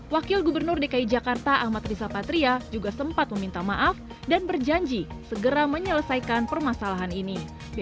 wakil gubernur dki jakarta ahmad riza patria juga sempat meminta maaf dan berjanji segera menyelesaikan permasalahan ini